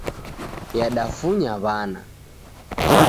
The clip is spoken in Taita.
Yadafunya w'ana